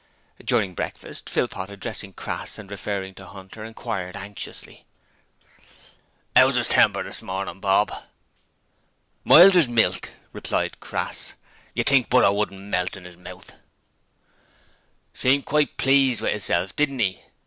During breakfast, Philpot, addressing Crass and referring to Hunter, inquired anxiously: ''Ow's 'is temper this mornin', Bob?' 'As mild as milk,' replied Crass. 'You'd think butter wouldn't melt in 'is mouth.' 'Seemed quite pleased with 'isself, didn't 'e?'